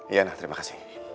iya nah terima kasih